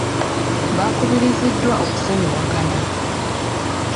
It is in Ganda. Baakubiriziddwa okusonyiwagana.